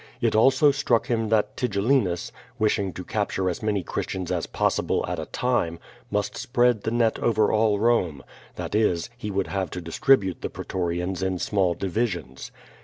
It also struck him that Tigellinus, wishing to capture as many Christians as pos sible at a time, must spread the net over all Rome; that is, he would have to distribute the pretorians in small divisions.